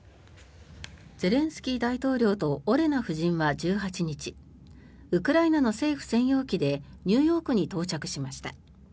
ゼレンスキー大統領とオレナ夫人は１８日ウクライナの政府専用機でニューヨークに到着しました。